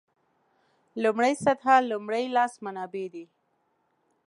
لومړۍ سطح لومړي لاس منابع دي.